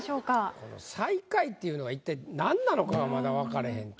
この最下位っていうのが一体なんなのかがまだ分かれへん。